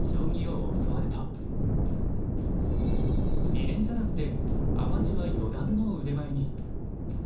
２年足らずでアマチュア四段の腕前に。